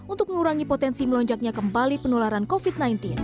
untuk mengurangi potensi melonjaknya kembali penularan covid sembilan belas